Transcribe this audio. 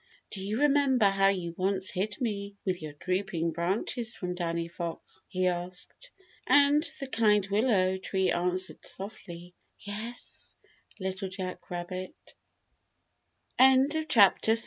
"Do you remember how you once hid me with your drooping branches from Danny Fox?" he asked. And the kind willow tree answered softly: "Yes, Little Jack Rabbit." TWO OLD RASCALS Danny Fo